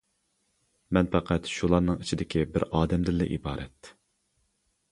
مەن پەقەت شۇلارنىڭ ئىچىدىكى بىر ئادەمدىنلا ئىبارەت.